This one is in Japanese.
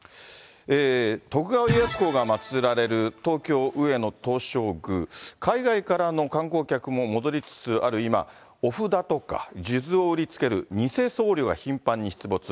徳川家康公がまつられる東京・上野東照宮、海外からの観光客も戻りつつある今、お札とか数珠を売りつける偽僧侶が頻繁に出没。